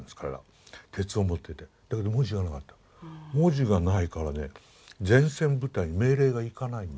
文字がないからね前線部隊に命令がいかないんですよ。